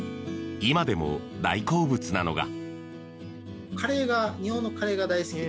今でも大好物なのが。